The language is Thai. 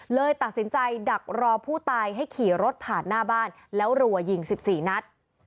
เลยตัดสินใจดักรอผู้ตายให้ขี่รถผ่านหน้าบ้านแล้วรัวยิง๑๔นัด